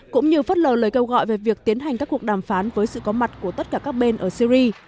cũng như phất lờ lời kêu gọi về việc tiến hành các cuộc đàm phán với sự có mặt của tất cả các bên ở syri